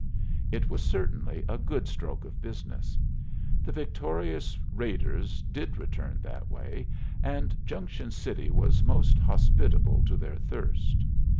It was certainly a good stroke of business. The victorious raiders did return that way, and Junction City was most hospitable to their thirst.